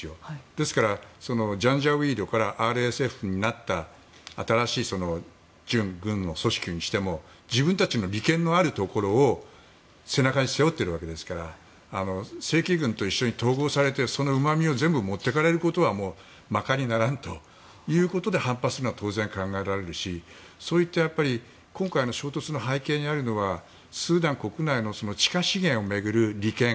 ですからジャンジャウィードからＲＳＦになった新しい準軍の組織にしても自分たちの利権のあるところを背中に背負っているわけですから正規軍と一緒に統合されて、そのうまみを全部持っていかれることはまかりならんということで反発するのは当然、考えられるしそういった今回の衝突の背景にあるのはスーダン国内の地下資源を巡る利権。